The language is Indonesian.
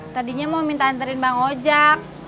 tadinya mau minta anterin bang ojak